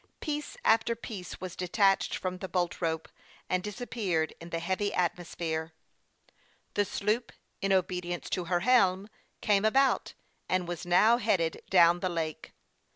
Piece after piece was detached from ^he bolt rope, and disappeared in the heavy atmos THE YOUNG PILOT OF LAKE CHAMPLAIN. 19 phere. The sloop, in obedience to her helm, came about, and was now headed down the lake.